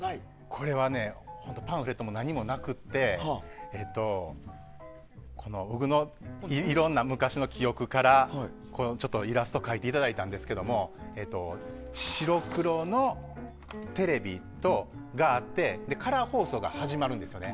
これはパンフレットも何もなくて僕のいろんな昔の記憶からちょっとイラストを描いていただいたんですけど白黒のテレビがあってカラー放送が始まるんですよね。